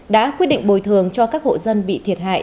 đã quyết định bồi thường cho các hộ dân bị thiệt hại